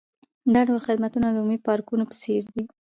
دا ډول خدمتونه د عمومي پارکونو په څیر دي